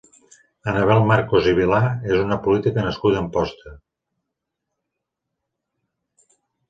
Annabel Marcos i Vilar és una política nascuda a Amposta.